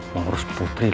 mengurus putri lagi